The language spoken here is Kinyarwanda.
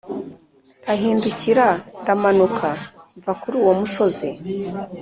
ndahindukira, ndamanuka mva kuri uwo musozi,